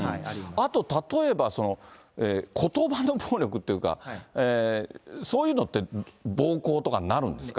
あと、例えば、ことばの暴力っていうか、そういうのって暴行とかになるんですか。